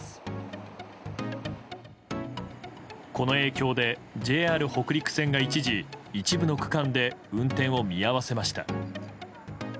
この影響でＪＲ北陸線が一時、一部の区間で運転を見合わせました。